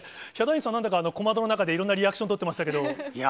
ヒャダインさん、なんだか小窓の中で、いろんなリアクション、取ってましたけど。